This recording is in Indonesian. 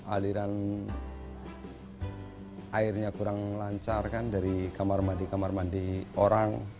aliran airnya kurang lancar kan dari kamar mandi kamar mandi orang